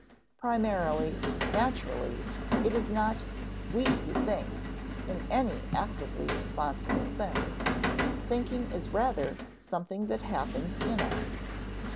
Primarily, naturally, it is not we who think, in any actively responsible sense; thinking is rather something that happens in us.